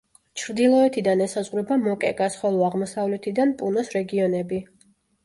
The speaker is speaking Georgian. ჩრდილოეთიდან ესაზღვრება მოკეგას, ხოლო აღმოსავლეთიდან პუნოს რეგიონები.